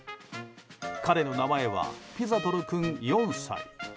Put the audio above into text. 彼の名前はピザトル君、４歳。